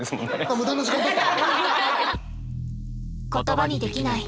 無駄な時間だった？